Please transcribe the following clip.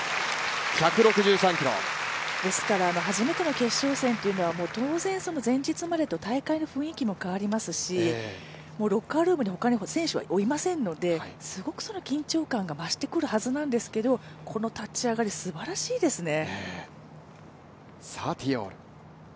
初めての決勝戦っていうのは当然前日までと大会の雰囲気も変わりますしもうロッカールームに他に選手はいませんのですごく緊張感が増してくるはずなんですけれどもこの立ち上がり、すばらしいですね。